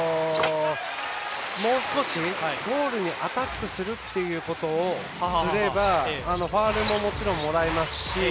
もう少しゴールにアタックすることをすればファウルももちろんもらえますし。